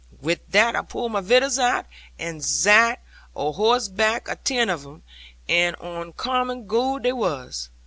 'Wi' that I pulled my vittles out, and zat a horsebarck, atin' of 'em, and oncommon good they was.